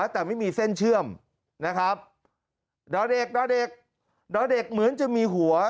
แต่ไม่มีเส้นเชื่อมนะครับดอเด็กดอเด็กดอเด็กเหมือนจะมีหัว